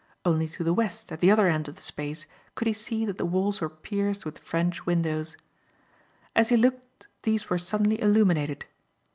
Only to the West at the other end of the space could he see that the walls were pierced with French windows. As he looked these were suddenly illuminated.